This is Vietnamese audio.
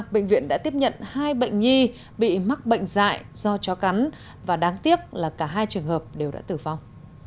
bệnh viện đã tiếp nhận hai bệnh nhi bị mắc bệnh dạy do chó cắn và đáng tiếc là cả hai trường hợp đều đã tử vong